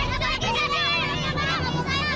anak haram pergi sana